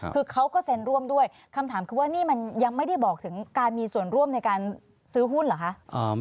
คือเขาก็เซ็นร่วมด้วยคำถามคือว่านี่มันยังไม่ได้บอกถึงการมีส่วนร่วมในการซื้อหุ้นเหรอคะ